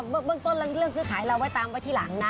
เบื้องต้นเรื่องซื้อขายเราไว้ตามไว้ที่หลังนะ